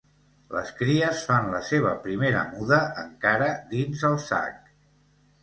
Les cries fan la seva primera muda encara dins el sac.